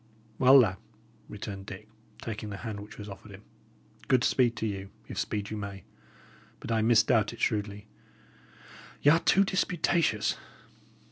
"Well, lad," returned Dick, taking the hand which was offered him, "good speed to you, if speed you may. But I misdoubt it shrewdly. Y' are too disputatious."